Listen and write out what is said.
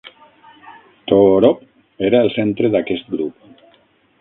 Toorop era el centre d'aquest grup.